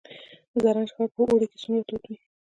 زرنج ښار په اوړي کې څومره تود وي؟